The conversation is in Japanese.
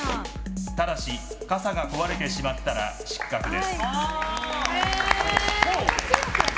ただし、傘が壊れてしまったら失格です。